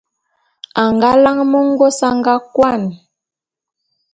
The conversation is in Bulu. A nga lane mengôs a nga kôan.